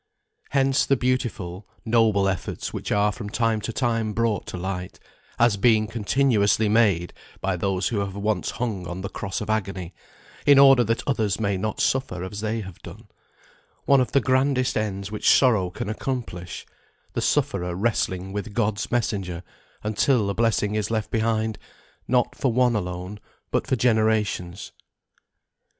Hence the beautiful, noble efforts which are from time to time brought to light, as being continuously made by those who have once hung on the cross of agony, in order that others may not suffer as they have done; one of the grandest ends which sorrow can accomplish; the sufferer wrestling with God's messenger until a blessing is left behind, not for one alone but for generations.